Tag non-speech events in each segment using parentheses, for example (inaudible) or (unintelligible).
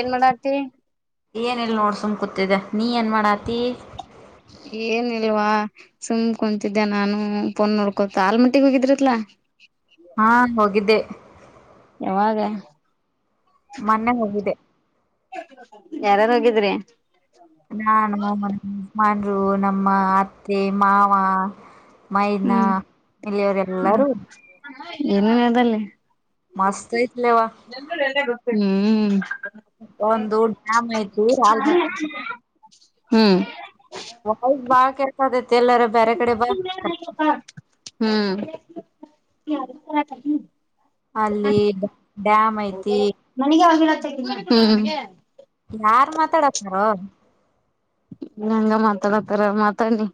ಏನ್ ಮಾಡಾತಿ ಏನ್ ಇಲ್ವೊ ನೋಡ್ ಸುಮ್ನ್ ಕೂತಿದೆ ನೀ ಏನ್ ಮಾಡಾತಿ. ಏನ್ ಲ್ವ ಸುಮ್ ಕುಂತಿದ್ದೆ ನಾನು ಪೊನ್ ನೋಡ್ಕೊತ ಆಲ್ಮಟ್ಟಿಗೆ ಹೋಗಿದ್ರಿಲಾ. ಹಾ ಹೋಗಿದ್ದೆ ಯಾವಾಗ ಮೊನ್ನೆ ಯಾರ್ ಹೋಗಿದ್ದೆ ಯಾರ್ ಹೋಗಿದ್ರಿ ನಾನು ನಮ್ ಎಜ್ಮನ್ರು ನಮ್ಮ ಅತ್ತೆ ಮಾವ. ಮೈದ್ನ ಹ್ಮ್ ಇಲ್ಲಿಯವ್ರು ಎಲ್ಲಾರೂ. ಏನೆನ್ ಅದಲ್ಲಿ ಮಸ್ತ್ ಐ - ಹು ಒಂದು ಡ್ಯಾಮ್ ಐತಿ ಆಲ್ಮಟ್ಟಿ ಹ್ಮ್ (unintelligible) ಬ್ಯಾರೆ ಕಡೆ ಬಾ ಹ್ಮ್ ಅಲ್ಲಿ ಡ್ಯಾಮ್ ಐತಿ ಹ್ಮ ಯಾರ್ ಮಾತಾಡದ್ ಬ್ರೊ ನಿಂಗೆ ಮಾತಾಡತಾರ ಮಾತಾಡ್ಲಿ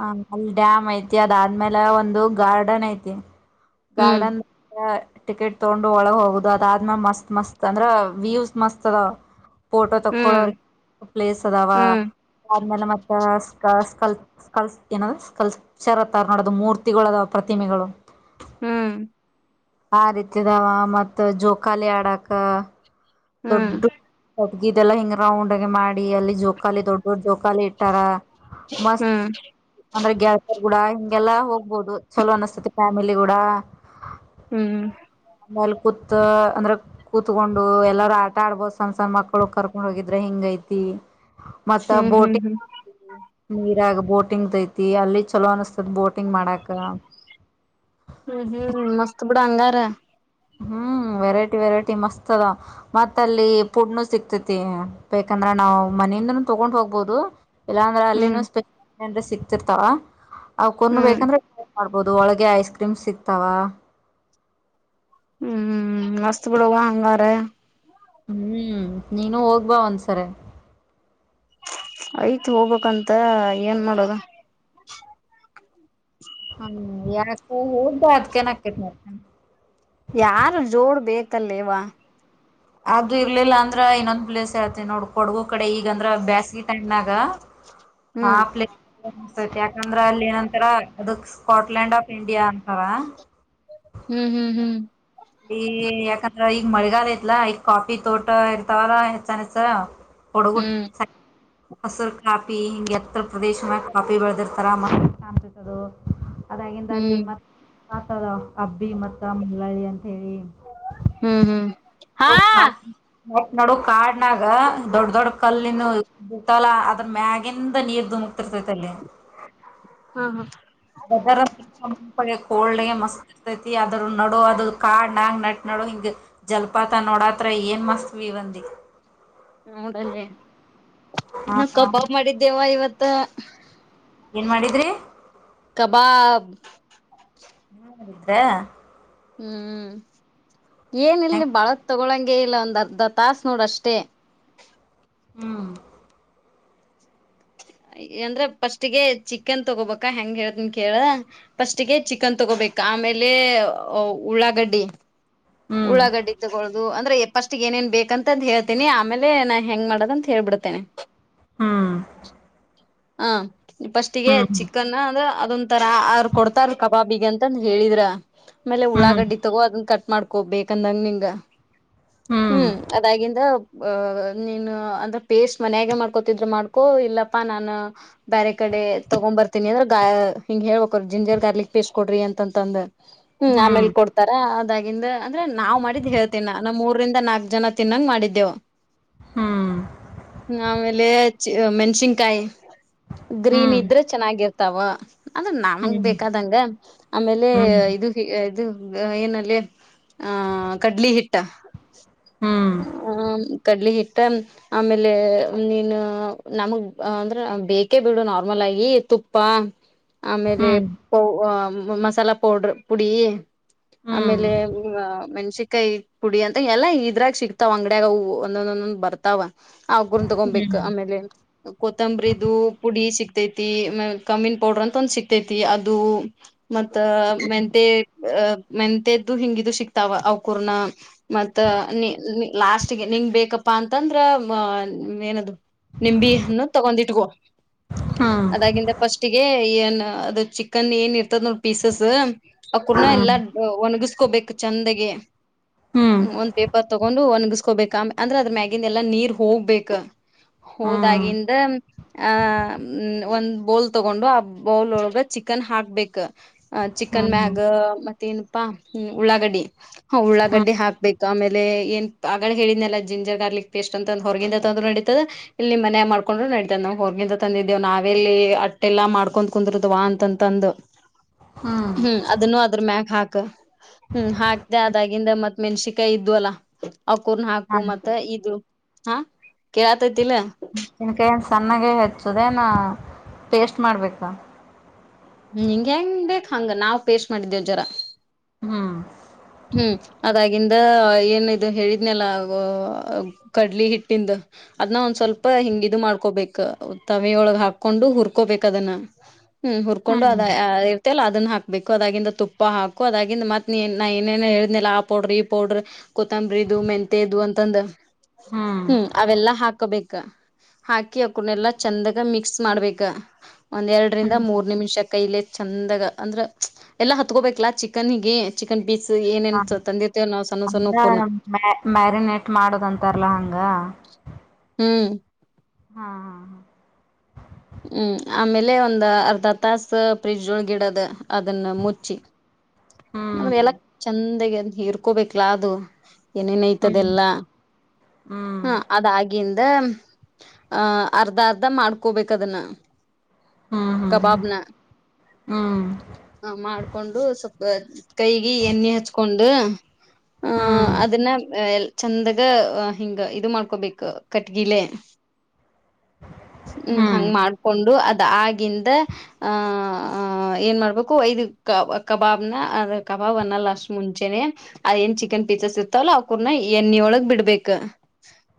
ಹ ಅಲ್ಲಿ ಡ್ಯಾಮ್ ಐತಿ ಅದಾದ್ಮೇಲೆ ಒಂದು ಗಾರ್ಡನ್ ಐತಿ. ಹ್ಮ್ ಗಾರ್ಡನ್ ನ ಟಿಕೆಟ್ ತಗೊಂಡು ಒಳಗ ಹೋಗುದು ಅದಾದ್ಮೇಲೆ ಮತ್ ಮಸ್ತ್ ಅಂದ್ರೆ ವ್ಯೂ್ಸ್ ಮಸ್ತ್ ಅದ ಫೋಟೋ ತಕ್ಕೊಳ ಹ್ಮ್ ಪ್ಲೇಸ್ ಅದಾವ ಹ್ಮ್ ಆದ್ಮೇಲೆ ಮತ್ತ ಸ್ ಸ್ಕಲ್ ಸ್ಕಲ್ ಏನ ಸ್ಕಲ್ಚರ್ ಅತ್ತಾರ ನೋಡೋದು ಮೂರ್ತಿಗಳು ಅದ ಪ್ರತಿಮೆಗಳು. ಹ್ಮ್ ಆ ರೀತಿದಾವ ಮತ್ ಜೋಕಾಲಿ ಆಡಕ ಹ್ಮ್ ದೊಡ್ಡು ಇದೆಲ್ಲ ಹಿಂಗ್ ರೌಂಡಗ ಮಾಡಿ ಅಲ್ಲಿ ಜೋಕಾಲಿ ದೊಡ್ ದೊಡ್ ಜೋಕಾಲಿ ಇಟ್ಟಾರ. ಮಸ್ತ್ ಹ್ಮ್ ಹ್ಮ್ ಅಂದ್ರ ಗೆಳೆತ್ಯಾರ್ ಗೂಡ ಹಿಂಗೆಲ್ಲಾ ಹೋಗ್ಬೋದು. ಚಲೋ ಅನ್ನಸ್ತತಿ ಫ್ಯಾಮಿಲಿಗುಡಾ. ಹ್ಮ್ ಕೂತ್ ಅಂದ್ರೆ ಕೂತ್ಕೊಂಡು ಎಲ್ಲಾ ಆಟ ಆಡ್ಬಹುದು ಸಣ್ಣ ಸಣ್ಣ ಮಕ್ಕಳ ಕರ್ಕೊಂಡ್ ಹೋಗಿದ್ರೆ ಹಿಂಗ ಐತಿ. ಮತ್ತ ಹ್ಮ್ ಹ್ಮ್ ಬೋಟಿಂಗ್ ಹ್ಮ್ ನೀರಾಗ ಬೋಟಿಂಗದ ಐತಿ ಅಲ್ಲಿ ಚಲೋ ಅನಸ್ತದ ಬೋಟಿಂಗ್ ಟಿಂಗ್ ಮಾಡಾಕ ಹ್ಮ್ ಮಸ್ತ್ ಬಿಡ ಹಂಗಾರ ಹ್ಮ ವೆರೈಟಿ ವೆರೈಟಿ ಮಸ್ತ್ ಅದಾವ ಮತ್ತ ಅಲ್ಲಿ ಪುಡ್ನು ಸಿಗ್ತೈತಿ ಬೇಕಂದ್ರ ನಾವು ಮ ಮನೆಯಿಂದನೂ ತಗೊಂಡ ಹೋಗ್ಬಹುದು. ಇಲ್ಲಾ ಅಂದ್ರೆ ಹ್ಮ್ ಅಲ್ಲಿನು ಸ್ಪ ಏನ್ರ ಸಿಕ್ತಿರ್ತಾವ ಅವಕ್ರುನು ಹ್ಮ್ ಬೇಕಂದ್ರ. ಮಾಡ್ಬೋದು ಒಳಗೆ ಐಸ್ ಕ್ರೀಮ್ ಸಿಗ್ತಾವ. ಹ್ಮ್ ಮಸ್ತ ಬಿಡ್ವಾ ಹಂಗಾರೆ. ಹ್ಮ್ ನೀನು ಹೋಗಿ ಬಾ ಒಂದ್ಸಾರೆ. ಆಯ್ತಿ ಹೋಗ್ಬೇಕಕ್ಂತ ಏನ್ ಮಾಡೋದ್. ಹ್ಮ್ ಯಾಕ ಹೋಗಿ ಬಾ ಅದ್ಕೆನ್ ಆಕ್ಕೇತಿ. ಯಾರ ಜೋಡ್ ಬೇಕಲ್ಲೆವ. ಅದು ಇರ್ಲಿಲ್ಲ ಅಂದ್ರ ಇನ್ನೊಂದ್ ಪ್ಲೇಸ್ ಹೇಳ್ತೇನ ನೋಡ್ ಕೊಡಗು ಕಡೆ ಈಗಂದ್ರ ಬ್ಯಾಸಿಗಿ ಟೈಮ್ಡಾಗ್ ಹಾ ಹ್ಮ್ ಪ್ಲೇಸ್ ಯಾಕಂದ್ರ ಅಲ್ಲಿ ಏನಂತರ ಅದ ಸ್ಕಾಟ್ಲ್ಯಾಂಡ್ ಆಫ್ ಇಂಡಿಯಾ ಅಂತಾರ. ಹಾ ಹ್ಮ್ ಹ್ಮ್ ಹ್ಮ್ ಈ ಯಾಕಂದ್ರ ಈಗ ಮಳೆಗಾಲ ಇತ್ಲಾ ಈಗ ಕಾಫಿ ತೋಟ ಇರ್ತಾವಲ್ಲಾ ಹೆಚ್ಚಾನ್ಹೆಚ್ ಕೊಡಗು ಹ್ಮ್ ಹಸರ ಕಾಪಿ ಹಿಂಗೆ ಎತ್ತರ ಪ್ರದೇಶನ್ಯಾಗ ಕಾಪಿ ಬೆಳೆದಿರ್ತಾರ ಮಸ್ತ್ ಕಾಣತೈತಿ ಅದು. ಅದಾಗಿಂದ ಅಲ್ಲಿ ಹ್ಮ್ ಮತ್ತತದ ಹಬ್ಬಿ ಮತ್ತ ಮಂಗಳಿ ಅಂತ ಹೇಳಿ ಹ್ಮ್ ಹ್ಮ್ ಹಾ ನಟ್ಟ ನಡುವ ಕಾಡ್ನಾಗ ದೊಡ್ಡ ದೊಡ್ ಹ್ಮ ಕಲ್ಲಿಂದು ಇರ್ತವ ಅಲಾ ಅದ್ರ ಮ್ಯಾಗಿಂದ ನೀರ್ ಧುಮಕ್ತಿರ್ತೈತಲ್ಲಿ. ಹ್ಮ ಹ- ವೆಥೇರ್ ತಂಪಗೆ ಕೋಲ್ಡ್ಗೆ ಮಸ್ತ್ ಇರ್ತದ. ಇರತೈತಿ ಅದ್ರ ನಡುವ ಅದು ಕಾಡ್ನ್ಯಗ ನಟ್ ನಡುವ ಹಿಂಗ್ ಜಲಪಾತ ನೋಡಾತ್ರ ಏನ್ ಮಸ್ತ ವೀವ್. ಅಂದಿ. ನೋಡಲ್ಲಿ ಹಾ ನಾವ್ ಹಾ ಕಬಾಬ್ ಮಾಡಿದ್ದೇವಾ ಇವತ್ತ. ಏನ್ ಮಾಡಿದ್ರಿ? ಕಬಾಬ್. ನೀವ್ ಮಾಡಿದ್ರ್ಯಾ? ಹ್ಮ್ ಏನಿಲ್ಲ ಭಾಳಹೊತ್ತ ತೋಗೋಳಂಗಿಲ್ಲ. ಹಂಗೆ ಇಲ್ಲ ಒಂದ್ ಅರ್ಧ ತಾಸ ನೋಡಷ್ಟೇ. ಹ್ಮ್ ಏನ್ರೇ ಫಸ್ಟ್ ಗೆ ಚಿಕನ್ ತಗೋಬೇಕಾ ಹೆಂಗ ಹೇಳತನ್ ಕೇಳ ಫಸ್ಟ್ ಗೆ ಚಿಕನ್ ತಗೋಬೇಕ ಬೇಕ ಆಮೇಲೆ ಉಳ್ಳಾಗಡ್ಡಿ ಹ್ಮ್ ಉಳ್ಳಾಗಡ್ಡಿ ತಗೊಳ್ಳುದು - ಅಂದ್ರ ಫಸ್ಟ್ಗೆ ಏನೇನ್ ಬೇಕಂತ ಹೇಳ್ತೀನಿ ಆಮೇಲೆ ನಾ ಹೆಂಗ ಮಾಡದ ಅಂತ ಹೇಳ್ಬಿಡ್ತೇನೆ. ಹ್ಮ್. ಹ ಫಸ್ಟ್ಗೆ ಹ್ಮ್ ಚಿಕನ್ ಅಂದ್ರ ಅದೊಂದತರಾ ಅವ್ರ ಕೊಡ್ತಾರ ಕಬಾಬಿಗೆ ಅಂತ ಹೇಳಿದ್ರ ಆಮೇಲೆ ಹ್ಮ್ ಹ್ಮ್ ಉಳ್ಳಾಗಡ್ಡಿಗ ತೋಗೋ ಅದನ್ ಕಟ್ಟ ಮಾಡ್ಕೋಬೇಕ ಹಂಗ ಹಿಂಗ ಹ್ಮ್ ಅದಾಗಿಂದ ಹ ನೀನು ಅಂದ್ರ ಪೇಸ್ಟ್ ಮನ್ಯಾಗೆ ಮಾಡ್ಕೋತಿದ್ರ ಮಾಡ್ಕೊ ಇಲ್ಲಪ್ಪಾ ನಾನ ಬೇರೆ ಕಡೆ ತೊಗೊಂದ ಬರ್ತೀನಿ ಅಂದ್ರ ಹಿಂಗ್ ಹೇಳ್ಬೇಕ ಜಿಂಜರ್ ಗಾರ್ಲಿಕ್ ಪೇಸ್ಟ್ ಕೊಡ್ರಿ ಅಂತಂತಂದ. ಹ್ಮ್ ಆಮೇಲ್ ಕೊಡ್ತಾರ ಅದಾಗಿಂದ ಅಂದ್ರೆ ನಾವ್ ಮಾಡಿದ್ದ್ ಹೇಳ್ತೀನ ನಾ ಮೂರರಿಂದ ನಾಕ್ ಜನ ತಿಂತ ಚನ್ನಂಗ್ ಮಾಡಿದ್ದೆವು ಹ್ಮ ಆಮೇಲೆ ಮೆಣಸಿನ್ಕಾಯಿ ಗ್ರೀನ್ ಹ್ಮ್ ಇದ್ರೆ ಚೆನ್ನಾಗಿರ್ತಾವ ಅದು ಹ್ಮ್ ನಮಗ್ ಹ್ಮ್ ಬೇಕಾದಂಗ ಆಮೇಲೆ ಹ್ಮ್ ಇದು ಇದು ಏನಲ್ಲಿ ಆ ಕಡ್ಲಿ ಹಿಟ್ಟ ಹ್ಮ್ ಆ ಕಡ್ಲಿ ಹಿಟ್ಟ ಆಮೇಲೆ ನೀನು ನಮಗ್ ಅಂದ್ರ ಬೇಕೇ ಬಿಡು ನಾರ್ಮಲ್ ಆಗಿ ತುಪ್ಪ ಆಮೇ ಹ್ಮ್ ಮಸಾಲಾ ಪೌಡರ್ ಪುಡಿ ಹ್ಮ್ ಆಮೇಲೆ ಮೆ ಸಿಕಾಯಿ ಪುಡಿ ಅಂತ ಎಲ್ಲಾ ಇದ್ರಾಗ ಸಿಕ್ತಾವ ಅಂಗಡಿಯಾಗವು ಒಂದೊಂದೊಂದೊಂದ್ ಬರ್ತಾವ ಆ ಗುರನ್ ತಗೊಬೇಕಕ್ ಹ್ಮ್ ಆಮೇಲೆ ಕೊತ್ತಂಬರಿ ಪುಡಿ ಸಿಕ್ತೈತಿ ಮ ಕಮ್ಮಿನ್ ಪೌಡರ್ ಅಂತ ಒಂದ ಸಿಕ್ತೈತಿ ಅದು ಮತ್ತ ಮೆಂತೆ ಮೆಂತದ್ದು ಹಿಂಗಿದು ಸಿಕ್ತಾವ ಅವಕೂರ್ನ ಮತ್ ನೀ ಲಾಸ್ಟ್ಗೆ ನಿಂಗ್ ಬೇಕಪ್ಪ ಪ್ಪಾ ಅಂತಂದ್ರ ಏನದು ನಿಂಬಿ ಅನ್ನು ತಗೊಂಡಿ ಇಟ್ಕ ಅದಾಗಿಂದ ಪಫಸ್ಟ್ ಏನ್ ಅದು ಚಿಕನ್ ಏನ್ ಇರ್ತದ ನೋ ಪೀಸಸ್ ಆ ಕೂಡ ಎಲ್ಲಾ ಒಗ ಕೋಬೇಕು ಚಂದಗೆ ಹ್ಮ ಒಂದ್ ಪೇಪರ್ ತಗೊಂಡು ಒಣಗಸ್ಕೊಬೇಕ ಅಂದ್ರೆ ಅದ್ರ ಮ್ಯಾಗಿಿಂದ ಎಲ್ಲಾ ನೀರ್ ಹೋಗ್ಬೇಕಕ್ ಹೌದಾಗಿಂದ ಆಹ ಒಂದ್ ಬೌಲ್ ತಗೊಂಡು ಆ ಬೌಲ್ ಒಳಗ ಚಿಕನ್ ಹಾಕ್ಬೇಕ ಅ ಚಿಕನ್ ಮ್ಯಾಗ್ ಮೆಣಸಿನಕಾಯಿ ಮತ್ತೇಏನಪ್ಪಾ ಉಳ್ಳಾಗಡ್ಡಿ ಹ ಉಳ್ಳಾಗಡ್ಡೆ ಹಾಕ್ಬೇಕ ಆಮೇಲೆ ಏನ್ ಆಗಳ ಹೇಳಿದನಲ್ಲ ಜಿಂಜರ್ ಗಾರ್ಲಿಕ್ ಪೇಸ್ಟ್ ಅಂತ ಒ ಹೊರಗಿಂದ ತಂದ್ರ ನಡತದ ಇಲ್ಲಿ ನಿಮ್ಮ ಮನೆ ಮಾಡ್ಕೊಂಡ್ ನಡೀ ಹೊರ್ಗಿಂತ ತಂದಿದ್ದೇವು ನಾವೆಲ್ಲಿ ಅಟ್ಟೆಲ್ಲಾ ಮಾಡ್ಕೊ್ ಕುಂದಿರುದವಾ ಅಂತಂತಂದು ಹ್ಮ್ ಅದನ್ನು ಅದ್ರ ಮ್ಯಕ್ ಹಾಕ್ ಹ್ಮ್ ಹಾಕ್ತೆ ಅದಾಗಿಂದ ಮತ್ ಮೆಣಸಿಕಾಯಿ ಇದ್ವಲ್ಲ ಅಕೂರ್ನ ಹಾಕು ಮತ್ತೆ ಇದು ಹಾ ಕೆ ತಿನಕಾಯಿ ಸಣ್ಣಾಗೇ ಹೆಚ್ಚದೇನ ಪೇಸ್ಟ್ ಮಾಡ್ಬೇಕ ಹಂಗ ಹೆಂಗ ಬೇಕಕ್ ಹಂಗ ನಾವ್ ಪೇೇಶ್ ಮಾಡಿದ್ದೇವ ಜರ ಹ್ಮ್ ಹ್ಮ್ ಅದಾಗಿಂದ ಏನ ಇದು ಹೇಳಿದ್ನಲ್ಲ ಕಡ್ಲಿ ಹಿಟ್ಟಂದು ಅದನ್ನ ಒಂದ್ ಸ್ವಲ್ಪ ಹಿಂಗ ಇ ಮಾಡ್ಕೊಬೇಕಕ್ ತವೆಯೊಳಗ್ ಹಾಕೊಂಡು ಹುರ್ಕೊಬೇಕ ಅದನ್ನ ಹ್ಮ್ ಹುರ್ಕೊಂಡು ಹ್ಮ್ ಅದ ಇರ್ತ ಅಲ್ಲ ಅದನ್ನ ಹಾಕ್ಬೇಕು ಅದಾಗಿಂದ ತುಪ್ಪ ಹಾಕು ಅದಾಗಿಂದ ಮತ್ ನೀ ನಾ ಏನೇನ್ ಹೇಳ್ನಿಲ್ಲ ಆ ಪೌಡ್ರ ಈ ಪೌಡ್ರ ಕೊತ್ತಂಬ್ರ ಇದು ಮೆಂತೆ ಇದು ಅಂತಂದ ಹ್ಮ್ ಅವೆಲ್ಲಾ ಹಾಕಬೇಕ ಹಾಕಿ ಅಕಡ್ನೆ ಎಲ್ಲಾ ಚಂದಾಗ ಮಿಕ್ಸ್ ಮಾಡ್ಬೇಕ ಒಂದ್ ಎರಡರಿಂದ ಹ್ಮ್ ಮೂರ್ ನಿಮಿಷ ಕೈಲೆ ಚ ಅಂದಾಗ ಅಂದ್ರ ಎಲ್ಲಾ ಹತ್ಕೋಬೇಕಲಾ ಚಿಕನ್ಗೆ ಚಿಕನ್ ಪೀಸ್ ಏನೇನ್ ತಂದಿರ್ತ ಅ ಮ ಮ್ಯಾರಿನೇಟ್ ಮಾಡದಂತಾರಲ್ಲಾ ಹಂಗ ಹ್ಮ್ ಹಾ ಹ್ಮ್ ಆಮೇಲೆ ಒಂದ್ ಅರ್ಧ ತಾಸ ಫ್ರಿಜ್ ಒಳ್ಗಿಡದ ಅದನ್ನ ಮುಚ್ಚಿ ಹ್ಮ್ ನನ್ ಎಲ್ಲ ಚಂದಗ ಇರ್ಕೋಬೇಕಲಾ ಅದು ಹ್ಮ್ ಏನೇನೈತದೆಲ್ಲ ಹ್ಮ್ ಹ ಅದಾಗಿ ಅ ಅಹ ಅರ್ಧ ಅರ್ಧ ಮಾಡ್ಕೋಬೇಕದನ್ನ ಹ್ಮ್ ಹ್ಮ್ ಕಬಾಬ್ನ ಹ್ಮ್ ಮಾಡ್ಕೊಂಡು ಸ್ವ ಕೈಗೆ ಎಣ್ಣೆ ಹಚ್ಕೊಂಡು ಆಹ ಹ್ಮ್ ಅದನ್ನ ಚಂದಾಗ ಹಿಂಗ ಇದು ಮಾಡ್ಕೊಬೇಕು ಕಟ್ಗಿಲೆ ಹ್ಮ್ ಹಂಗ್ ಮಾಡ್ಕೊಂಡು ಅದ ಆಗಿಂದ ಆ ಏನ್ ಮಾಡ್ಬೇಕು ಐದು ಕ ಕಬಾಬ್ನ ಅ ಕಾ ಅವ ಒನ್ಲ ಅಷ್ಟ ಮುಂಚೆನೆ ಅದ ಏನ ಚಿಕ್ಕನ್ ಪೀಸಸ್ ಇರತ್ತವಲ್ಲ ಅವಕೂರ್ನ ಎಣ್ಣೊಳಗ್ ಬಿಡಬೆಕ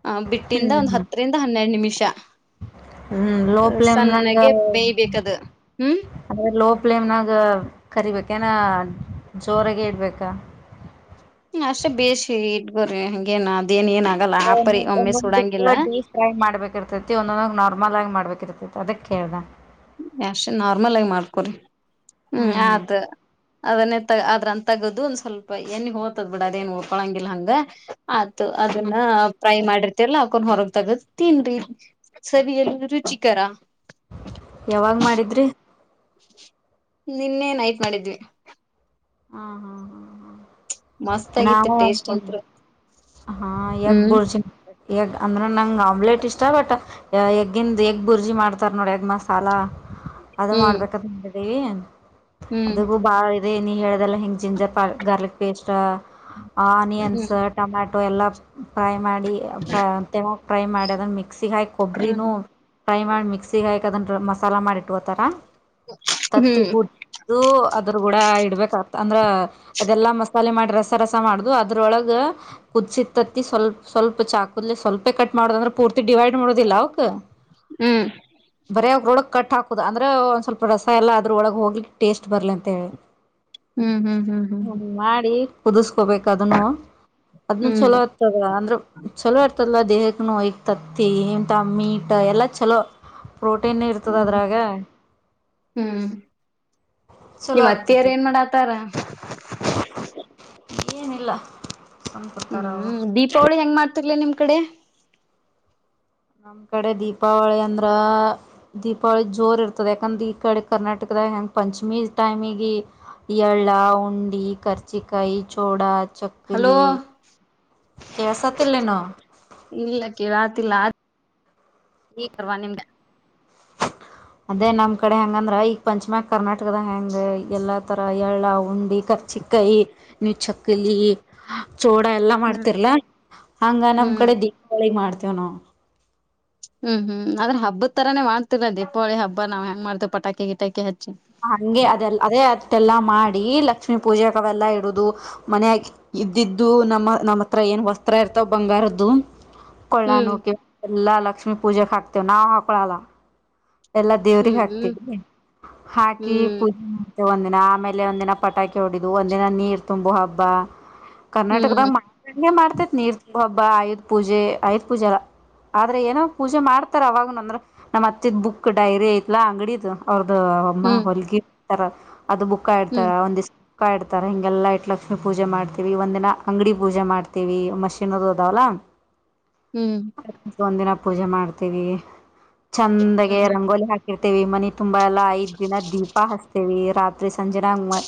ಹ ಬಿಟ್ಟಿಂದ ಒಂದ್ ಹತ್ತರಿಂದ ಹನ್ನೆರಡು ನಿಮಿಷಾ ಹು ಲೋಪ್ಲೇಮನ್ಯಾಗ ಬೇಯ್ಬೇಕದು ಹ್ಮ್ ಅ ಲೋಪ ಪ್ಲೇಮ್ನಾಗ ಕರಿಬೇಕೇನ ಜೋರಗೆ ಇಡಬೆಕಾ ಹು ಅಷ್ಟೇ ಬೇಸಿ ಇಟ್ಗೋರಿ ಹಂಗೇನ್ ಅದೇಏನ್ ಏನ ಒಂದೊದನಾ ಡೀಪ್ರೇಯ ಮಾಡ್ಬೇಕಿರ್ತತಿ ಒಂದೊಂದ ನಾರ್ಮಲ್ ಆಗಿ ಮಾಡ್ಬೇಕ ತ್ತಿರ್ತತಿ ಅದಕ್ಕೆ ಕೆಳದಾ ಅಷ್ಟು ನಾರ್ಮಲ್ ಆಗಿ ಮಾಡ್ಕೊರಿ ಹು ಹ್ಮ್ ಹ್ಮ್ ಆತ ಅದನ್ನೇ ಆದ್ರಾನ ತಗದು ಒಂದ್ ಸ್ವಲ್ಪ ಏಣ್ಣಿ ಹೋಗ್ತದ ಬಿಡ ಅದೇನ್ ಹೋಕ್ಕೋಳಂಗಿಲ್ಲ ಹಂಗ ಆತು ಅದನ್ನ ಹ್ಮ್ ಫ್ರೈ ಮಾಡಿರ ತಿರಲ್ಲಾ ಅಕೋರ್ನ್ ಹೊರಗ್ ತಗದ ತಿನ್ರಿ ಸವಿ ರುಚಿಕರ ಯಾವಾಗ ಮಾಡಿದ್ರಿ ನಿನ್ನೆ ನೈಟ್ ಮಾಡಿದ್ವಿ. ಹಾ ಹಾ ಹಾ ಮಸ್ತ್ ಹಾ ಆಗಿತ್ತು ನಾವು ಟೇಸ್ಟ್ ಹೋಗ್ ಅಂತ್ರು ಹಾ ಯಗ್ ಹ್ಮ್ ಬುರ್ಜಿ ಯಗ್ ಅಂದ್ರ ನಂಗ್ ಆಮ್ಲೆಟ್ ಇಷ್ಟ ಬಟ್ ಎಗಿಂದ ಎಗ್ ಬುರ್ಜಿ ಮಾಡ್ತಾರ ನೋಡ ಯಗ್ ಮಸಾಲಾ ಹ್ಹ ಅದು ಹ್ಮ್ ಮಾಡ್ಬೇಕಂತ ತ್ತಿದ್ದೀವಿ ಹ್ಮ್ ಅದುಗೂ ಬಾಳ ಇದೆ ನೀ ಹೇಳ್ದಲ್ಲಾ ಹಿಂಗ ಜಿಂಜರ್ ಪ ಗಾರ್ಲಿಕ್ ಪೇಸ್ಟ್ ಆನಿಯನ್ಸ್ ಟೊಮ್ಯಾಟೊ ಎಲ್ಲಾ ಫ್ರೈ ಮಾಡಿ ಫ್ರೈ ತ್ತೇಗ್ ಮಾಡಿ ಅದನ್ನ ಮಿಕ್ ಮಿಕ್ಸಿ ಹಾಕಿ ಹ್ಮ್ ಕೊಬ್ಬರಿನೂ ಫ್ರೈ ಮಾಡಿ ಮಿಕ್ಸಿ ಹಾಕ್ ಅದನ್ನ ಮಸಾಲ ಮಾಡಿಇಟ್ಟಗೊತ್ತಾರಾ ಹ್ಮ್ ತತ್ತಿ ಕುಟ್ಟು ಅದ್ರ ಕೂಡ ಇಡ್ಬೇಕಾಗ್ತದ ಅಂದ್ರ ಇದೆಲ್ಲಾ ಮಸಾಲೆ ಮಾಡಿ ರಸ ರಸ ಮಾಡ್ದು ಅದ್ರೊಳಗ ಕುದಸಿದ ತ್ತತಿ ಸ್ವಲ್ಪ ಸ್ವಲ್ಪ ಚಾಕುದಲೆ ಸ್ವಲ್ಪೇ ಕಟ್ ಮಾಡೋದಂದ್ರೆ ಪೂರ್ತಿ ಡಿವೈಡ್ ಮಾಡೋದಿಲ್ಲ ಅವಕ ಹ್ಮ್ ಬರ ಕೋಡ ಕಟ್ ಹಾಕುದ ಅಂದ್ರೆ ಒಂದ್ ಸ್ವಲ್ಪ ರಸ ಎಲ್ಲಾ ಅದ್ರೊಳಗ ಹೋಗಿ ಟೇಸ್ಟ್ ಬರ್ಲಿ ಅಂತ ಹೇಳಿ ಹು ಹು ಹು ಹು ಹು ಕುದಿಸ್ಕೋಬೇಕು ಅದನ್ನು ಹ್ಮ್ ಅದ್ನು ಚಲೋ ಹ್ಮ್ ಇರ್ತದ ಅಂದ್ರ ಚಲೋ ಇರ್ತದ ದೇಹಕ್ಕನು ಯ ತತ್ತಿ ಇಂತಾ ಮೀಟ್ ಎಲ್ಲಾ ಚಲೋ ಪ್ರೋಟೀನ ನ ಇರ್ತದ ಹ್ಮ್ ಅದ್ರಾಗ ಚಲೋ ನಿಮ್ಮ ಅತ್ತಿಯರು ಆಗ್ತತಿ ಏನ್ ಮಾಡಾತಾರಾ ಏನಿಲ್ಲಾ ಟಕ್ ಹು ಉ ದೀಪಾವಳಿ ಹೆಂಗ್ ಮಾಡತಿರ್ಲೆ ನಿಮ್ಮ ಕಡೆ ನಮ್ಮ ಕಡೆ ದೀಪಾವಳಿ ಅಂದ್ರ ದೀಪಾವಳಿ ಜೋರ್ ಇರ್ತದೆ ಯಾಕಂದ್ರೆ ಈ ಕಡೆ ಕರ್ನಾಟಕದ ಹೆಂಗ ಪಂಚಮಿ ಟೈಮಿಗೆ ಎಳ್ಳ ಉಂಡಿ ಕರ್ಚಿಕಾಯಿ ಚೋಡಾ ಹಲೋ ಚಕ್ಕಲಿ ಕೆಳಸತ್ತಿಲ್ಲೆನೋ ಇಲ್ಲ ತಾರ್ವ ನಿಮ್ಮದು ಅದೇ ನಮ್ಮ ಕಡೆ ಹೆಂಗಂದ್ರ ಈಗ ಪಂಚಿಮ್ಯಾಗ ಕರ್ನಾಟಕದ ಹೆಂಗ ಎಲ್ಲಾ ತರ ಎಳ್ಳ ಉಂಡಿ ಕೆರ್ಚಿಕಾಯಿ ನೀವು ಚಕ್ಲಿ ಚೋಡ ಎಲ್ಲಾ ಹ್ಮ್ ಮಾಡ್ತಿರ್ಲ ಹಂಗ ನಮ್ಮ ಹ್ಮ್ ಕಡೆ ದೀಪಾವಳಿಗೆ ಮಾಡ್ತೇವ ನಾವು ಹು ಹು ಆದ್ರೆ ಹಬ್ದ ತರನ ಮಾಡ್ತಿಲ್ಲಾ ದೀಪಾವಳಿ ಹಬ್ಬಾ ನಾವು ಹೆಂಗ ಮಾಡ್ತವಿ ಪಟಾಕಿ ಗಿಟಾಕಿ ಹಚ್ಚಿ ಹಂಗೆ ಅದೆಲ್ಲ ಅದೇ ಅಟ್ಟೆಲ್ಲಾ ಮಾಡಿ ಲಕ್ಷ ಲಕ್ಷ್ಮೀ ಪೂಜೆಕ ಅವೆಲ್ಲಾ ಇಡುದು ಮನಯ ಇದ್ದಿದ್ದು ನಮ್ಮ ನಮ್ಮತ್ರ ಏನ್ ವಸ್ತ್ರ ಇರ್ತಾವ ಬಂಗಾರ ಹ್ಮ್ ಕೊಳ್ಳನವು ಎಲ್ಲಾ ಲಕ್ಷ್ಮೀ ಪೂಜೆಕ್ ಹಾಕ್ತೇವ ನಾವ್ ಹಾಕೋಳಲ್ಲಾ ಎಲ್ಲ ದೇವ್ರಿಗೆ ಹ್ಮ್ ಹ್ಮ್ ಹಾಕ್ತೀವಿ ಹಾಕಿ ಪೂಜೆ ಮಾಡ್ತೇವೆ ಒಂದಿನ ಆಮೇಲೆ ಒಂದಿನ ಪಟಾಕಿ ಹೋಡಿದು ಒಂದಿನ ನೀರ್ ತುಂಬು ಹಬ್ಬ ಕರ್ನಾಟಕದ ಹ್ಮ್ ಮಾಡ್ತೇತ್ ನೀರ್ ಹಬ್ಬಾ ಆಯುಧ್ ಪೂಜೆ ಆಯುದ್ ಪೂಜೆಯಲ್ಲಾ ಆದ್ರೆ ಏನೋ ಪೂಜೆ ಮಾಡ್ತಾರ ಅವಾಗನು ಅಂದ್ರ ನಮ್ಮ ಅತ್ತಿದ ಬುಕ್ಕ್ ಕ್ಕು ಡೈರಿ ಐತ್ಲಾ ಅಂಗಡಿದ ಅವ್ರದ ಅಮ್ಮ ಹ್ಮ್ ಹೊಲ್ಗಿರ ಅದು ಬುಕ್ಕ ಇಡ್ತಾ ಹ್ಮ್ ಒಂದಿಷ ಕ್ಕ ಇಡ್ತಾರ ಹಿಂಗೆಲ್ಲ ಇಟ್ ಲಕ್ಷ್ಮಿ ಪೂಜೆ ಮಾಡ್ತೀವಿ ಒಂದ ದಿನ ಅಂಗಡಿ ಪೂಜೆ ಮಾಡ್ತೀವಿ ಮಷಿನ ಅದು ಅದಾವಲ್ಲಾ. (inaudible) ಹ್ಮ್ ಹ್ಮ್ ಒಂದ ದಿನ ಪೂಜೆ ಮಾಡ್ತೀವಿ ಚಂದಗೆ ಹ್ಮ್ ರಂಗೋಲಿ ಹಾಕ ರ್ತೇವಿ ಮನಿ ತುಂಬಾ ಎಲ್ಲ ಐದ್ ದಿನ ದೀಪ ಹಚ್ಚತೀವಿ ರಾತ್ರಿ ಸಂಜೆನಾಗ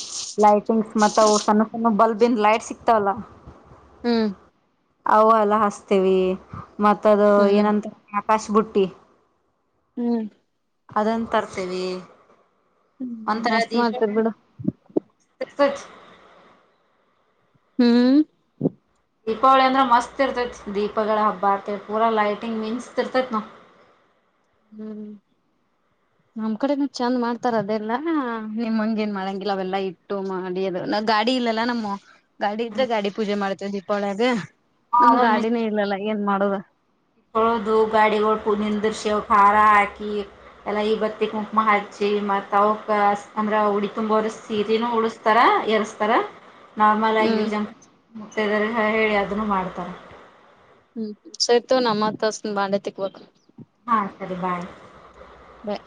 ಲೈಟಿಂಗ್ಸ್ ಮತ್ತ ಅವು ಸಣ್ಣ ಸಣ್ಣ ಬಲ್ಬನ ಲೈಟ್ ಸಿಕ್ತಾವಲ್ಲ. ಹ್ಮ. ಆವಾ ಅಲ್ಲ ಹಸ್ತೇವಿ ಮತ್ತದ ಹ್ಮ್ ಏನಂತ ಆಕಾಶ್ ಬುಟ್ಟಿ. ಹ್ಮ. ಅದನ್ ತರ್ತವಿ ಹ್ಮ್ ಒಂಥರ ಮಸ್ತ್ ದೀಪ ಮಾಡ್ತಾರ ಬಿಡು ಸಚ್ ಹ್ಮ. ದೀಪಾವಳಿ ಅಂದ್ರ ಮಸ್ತ್ ಇರ್ತೈತಿ ದೀಪಗಳ ಹಬ್ಬ ಆರ್ತೆ ಪೂರ ಲೈಟಿಂಗ್ ಮಿಂಚತಿರ್ತಾತ ನೋ (inaudible) ಹ್ಮ. (inaudible) ನಮ್ ಕಡೆನು ಚೆಂದ ಮಾಡ್ತಾರ ಅದೆಲ್ಲಾ ನಿಮ್ ಹಂಗ ಏನ್ ಮಾಡಂಗಿಲ್ಲ ಅವೆಲ್ಲಾ ಇಟ್ಟು ಮಾಡಿ ಅದ ಗಾಡಿ ಇಲ್ಲಲ್ಲ ನಮ್ಮ ಗಾಡಿ ಇದ್ರ ಗಾಡಿ ಪೂಜೆ ಮಾಡ್ತೇವ ದೀಪಾವಳಿಯಾಗ ನಮ್ ಗಾಡಿನ ಇಲ್ಲಲ ಏನ್ ಮಾಡುದ. ಹೌದು ಗಾಡಿ ಹೊಡ್ಕು ನಿಂದ್ರ ಅವಕ್ಕ ಹರ ಹಾಕಿ ಎಲ್ಲಾ ಈಬತ್ತಿ ಕುಂಕುಮ ಹಚ್ಚಿ ಮತ್ ಅವಕ ಅಂದ್ರ ಉಡಿತುಂಬೋರ ಸೀರೀನೂ ಉಡಸ್ತಾರ ಎರಸ್ತಾರ. ನಾರ್ಮಲ್ ಆಗಿರ ಹ್ಮ್ ಜಂಪ್ ಮುತ್ತೇದರಿಗ ಹೇಳಿ ಅದನ್ನು ಮಾಡ್ತಾರ. ಹ್ಮ ಸಯತ ತುಗೋ ನಾ ಮತ್ತ ಹಚ್ಚತನ ಬಾಂಡೆ ತಿಕ್ಬೇಕ. ಹಾ ಸರಿ ಬಾಯ್. ಬಾಯ.